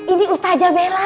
ini ustadz jabela